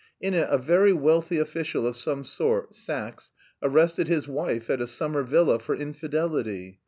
In it a very wealthy official of some sort, Saxe, arrested his wife at a summer villa for infidelity....